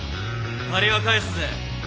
借りは返すぜ。